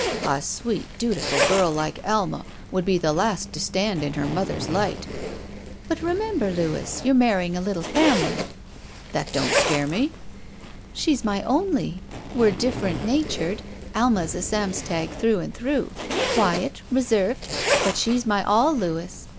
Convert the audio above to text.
"A sweet, dutiful girl like Alma would be the last to stand in her mother's light." "But remember, Louis, you're marrying a little family." "That don't scare me." *' She's my only. We're different natured. Alma's a Samstag through and through. Quiet, reserved. But she's my all, Louis.